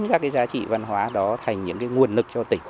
các cái giá trị văn hóa đó thành những nguồn lực cho tỉnh